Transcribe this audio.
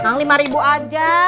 nah lima ribu aja